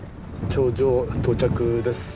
頂上到着です。